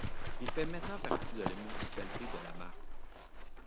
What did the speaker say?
Il fait maintenant partie de la municipalité de La Martre.